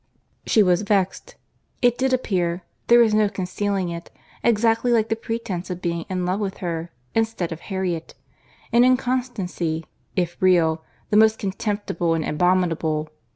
She was vexed. It did appear—there was no concealing it—exactly like the pretence of being in love with her, instead of Harriet; an inconstancy, if real, the most contemptible and abominable!